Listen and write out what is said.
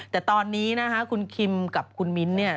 แต่ตอนนี้นะคะคุณคิมกับคุณมิ้นท์เนี่ย